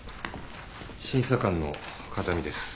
審査官の風見です。